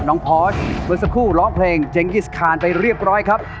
พอร์สเมื่อสักครู่ร้องเพลงเจงยิสคานไปเรียบร้อยครับ